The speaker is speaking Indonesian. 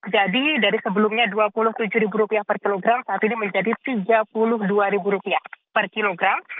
jadi dari sebelumnya rp dua puluh tujuh per kilogram saat ini menjadi rp tiga puluh dua per kilogram